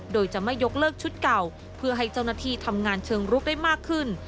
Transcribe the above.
โดยจะไม่ยกเลิกชุดเก่าเพื่อให้เจ้าหน้าที่ทำงานเชิงรุกได้มากขึ้น